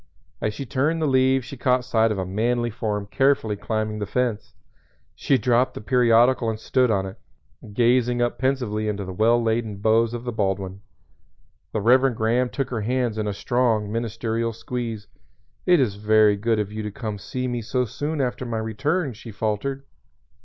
As she turned the leaves she caught sight of a manly form carefully climbing the fence. She dropped the periodical and stood on it, gazing up pensively into the well laden boughs of the Baldwin. The Reverend Graham took her hands in a strong ministerial squeeze. "It is very good of you to come to see me so soon after my return," she faltered.